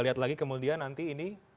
lihat lagi kemudian nanti ini